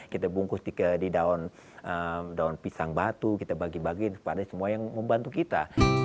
kita bungkus di daun pisang batu kita bagi bagi semua yang membantu kita